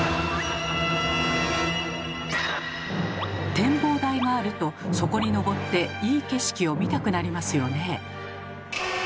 展望台があるとそこにのぼっていい景色を見たくなりますよねえ。